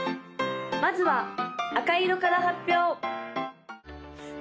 まずは赤色から発表！